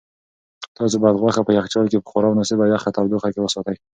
تاسو باید غوښه په یخچال کې په خورا مناسبه او یخه تودوخه کې وساتئ.